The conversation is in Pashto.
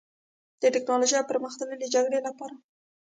د ټیکنالوژۍ او پرمختللې جګړې لپاره